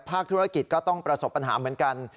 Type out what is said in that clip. ธุรกิจก็ต้องประสบปัญหาเหมือนกัน